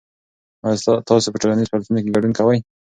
آیا تاسو په ټولنیزو فعالیتونو کې ګډون کوئ؟